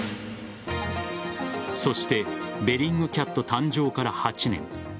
そしてベリングキャット誕生から８年。